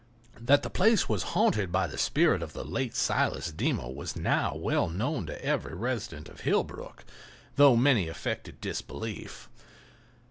That the place was haunted by the spirit of the late Silas Deemer was now well known to every resident of Hillbrook, though many affected disbelief.